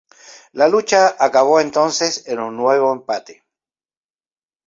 La lucha acabó entonces en un nuevo empate.